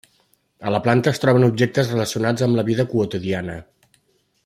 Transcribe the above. A la planta es troben objectes relacionats amb la vida quotidiana.